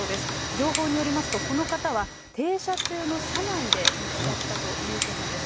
情報によりますと、この方は、停車中の車内で見つかったということです。